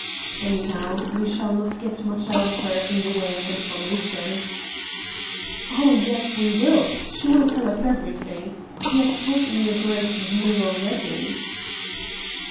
"Anyhow, we shall not get much out of her in the way of information." "Oh, yes, we will. She will tell us everything. She has told me a great deal already."